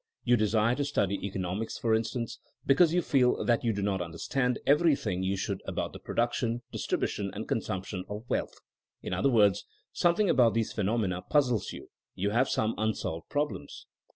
You desire to study economics, for instance, because you feel that you do not understand everything you should about the production, distribution and consump tion of wealth. In other words, something about these phenomena puzzles you — ^you have some unsolved problems.